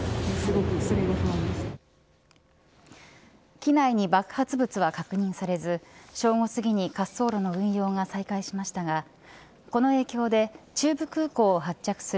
機内に爆発物は確認されず正午すぎに滑走路の運用が再開しましたがこの影響で中部空港を発着する